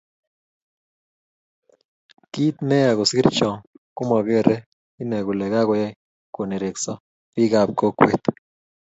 Kit neya kosiir cho komageere ine kole kagoyay konerekso bikap kokwet